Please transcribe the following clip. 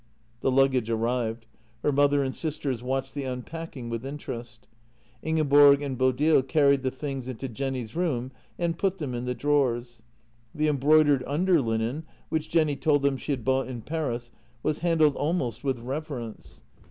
The luggage arrived; her mother and sisters watched the unpacking with interest. Ingeborg and Bodil carried the things into Jenny's room and put them in the drawers; the embroidered underlinen, which Jenny told them she had bought in Paris, was handled almost with reverence.